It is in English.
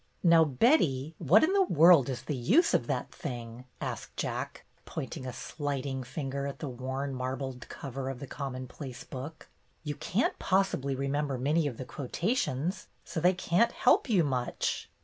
"Now, Betty, what in the world is the use of that thing?" asked Jack, pointing a slight ing finger at the worn marbled cover of the commonplace book. "You can't possibly re member many of the quotations, so they can't help you much."